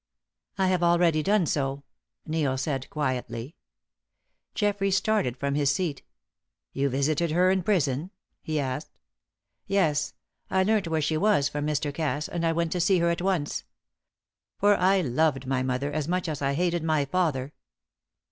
"I have already done so," Neil said, quietly. Geoffrey started from his seat. "You visited her in prison?" he asked "Yes; I learnt where she was from Mr. Cass, and I went to see her at once. For I loved my mother, as much as I hated my father.